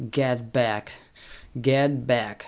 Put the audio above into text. "Get back! Get back!"